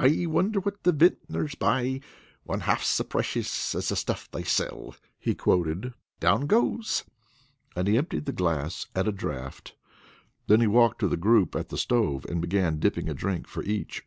"I wonder what the Vinters buy One half so precious as the stuff they sell?" he quoted. "Down goes!" and he emptied the glass at a draft. Then he walked to the group at the stove, and began dipping a drink for each.